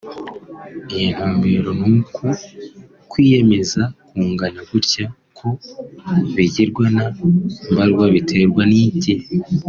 “iyi ntumbero n’uku kwiyemeza kungana gutya ko bigirwa na mbarwa biterwa n’iki